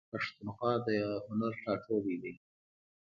پښتونخوا د هنر ټاټوبی دی.